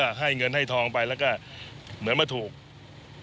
อยากให้เงินที่ให้ทองไปแล้วก็